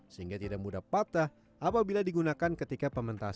sehingga tidak mudah patah apabila digunakan ketika pementasan